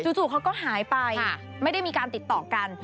จู่เขาก็หายไปไม่ได้มีการติดต่อกัน